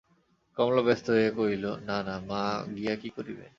কমলা ব্যস্ত হইয়া কহিল, না না, মা গিয়া কী করিবেন?